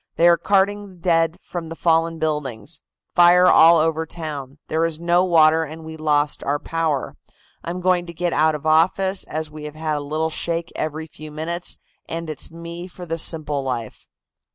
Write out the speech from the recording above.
They are carting dead from the fallen buildings. Fire all over town. There is no water and we lost our power. I'm going to get out of office, as we have had a little shake every few minutes, and it's me for the simple life."